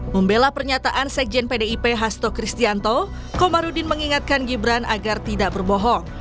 membela pernyataan sekjen pdip hasto kristianto komarudin mengingatkan gibran agar tidak berbohong